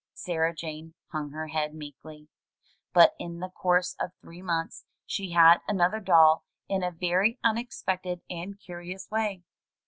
Sarah Jane hung her head meekly. But in the course of three months she had another doll in a very unexpected and curious way.